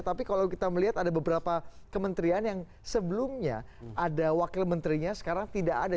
tapi kalau kita melihat ada beberapa kementerian yang sebelumnya ada wakil menterinya sekarang tidak ada